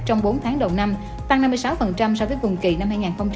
trong bốn tháng đầu năm tăng năm mươi sáu so với cuồng kỳ năm hai nghìn hai mươi hai